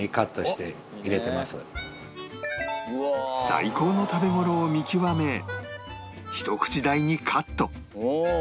最高の食べ頃を見極めひと口大にカット